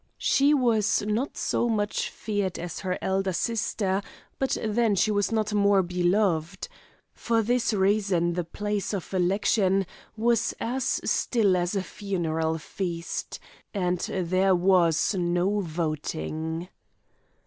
She was not so much feared as her elder sister, but then she was not more beloved. For this reason the place of election was as still as a funeral feast, and there was no voting.